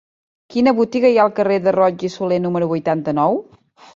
Quina botiga hi ha al carrer de Roig i Solé número vuitanta-nou?